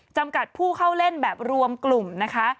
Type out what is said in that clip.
จำกัดผู้เข้าเล่นแบบรวมกลุ่มนะคะ